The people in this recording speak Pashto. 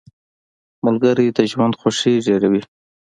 ملګری د ژوند خوښي ډېروي.